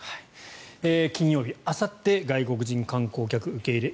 金曜日、あさって外国人観光客の受け入れ